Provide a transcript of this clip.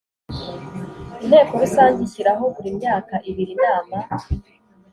Inteko Rusange ishyiraho buri myaka ibiri Inama